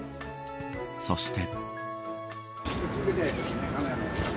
そして。